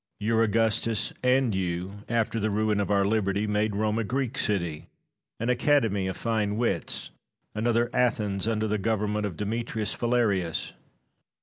Your Augustus and you, after the ruin of our liberty, made Rome a Greek city, an academy of fine wits, another Athens under the government of Demetrius Phalareus.